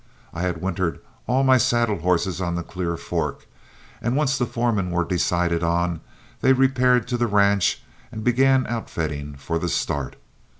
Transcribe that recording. I had wintered all my saddle horses on the Clear Fork, and once the foremen were decided on, they repaired to the ranch and began outfitting for the start.